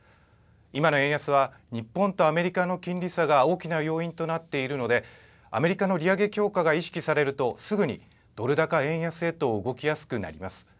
今の円安は、日本とアメリカの金利差が大きな要因となっているので、アメリカの利上げ強化が意識されると、すぐにドル高円安へと動きやすくなります。